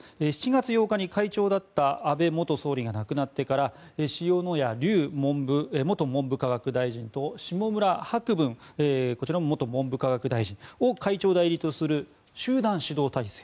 ７月８日に会長だった安倍元総理が亡くなってから塩谷立元文部科学大臣と下村博文元文部科学大臣を会長代理とする集団指導体制